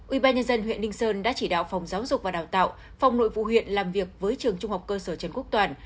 ubnd huyện ninh sơn đã chỉ đạo phòng giáo dục và đào tạo phòng nội vụ huyện làm việc với trường trung học cơ sở trần quốc toàn